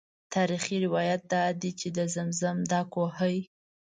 تاریخي روایات دادي چې د زمزم دا کوهی.